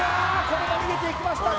これも逃げていきました